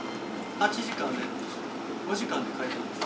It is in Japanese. ８時間冷凍して５時間で解凍です。